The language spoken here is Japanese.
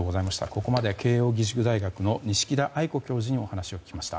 ここまで慶應義塾大学の錦田愛子教授にお話を聞きました。